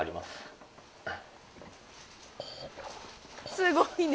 すごいね。